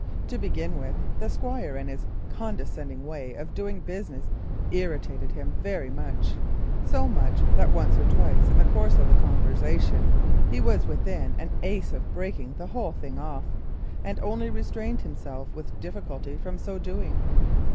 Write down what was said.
To begin with, the Squire and his condescending way of doing business irritated him very much, so much that once or twice in the course of the conversation he was within an ace of breaking the whole thing off, and only restrained himself with difficulty from doing so.